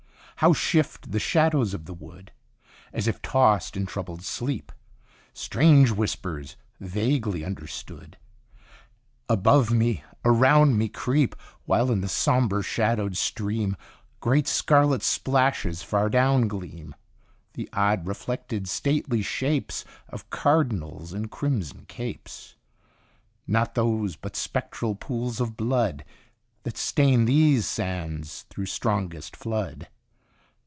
How shift the shadows of the wood, As if it tossed in troubled sleep ! Strange whispers, vaguely understood, Above, below, around me creep ; While in the sombre shadowed stream Great scarlet splashes far down gleam, The odd reflected, stately shapes Of cardinals in crimson capes ; Not those but spectral pools of blood That stain these sands through strongest flood?